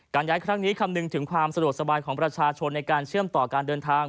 ย้ายครั้งนี้คำนึงถึงความสะดวกสบายของประชาชนในการเชื่อมต่อการเดินทาง